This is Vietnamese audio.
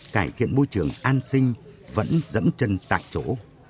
cải thiện môi trường an sinh vẫn dẫm chân tại chỗ